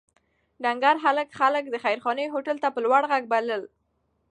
ډنکر هلک خلک د خیرخانې هوټل ته په لوړ غږ بلل.